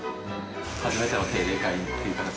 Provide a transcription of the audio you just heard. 初めての定例会という形に。